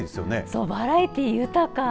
そう、バラエティー豊か。